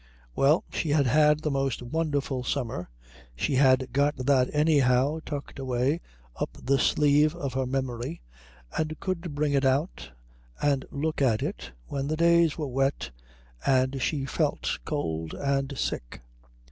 Well, she had had the most wonderful summer; she had got that anyhow tucked away up the sleeve of her memory, and could bring it out and look at it when the days were wet and she felt cold and sick.